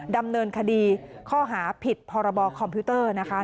ดำเนินคดีข้อหาผิดพรบคอมพิวเตอร์นะคะ